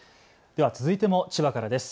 では続いても千葉からです。